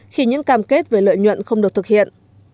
khi những cam kết về lợi nhuận không được thực hiện